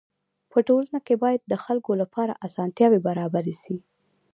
په ټولنه کي باید د خلکو لپاره اسانتياوي برابري سي.